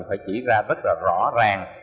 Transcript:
phải chỉ ra rất rõ ràng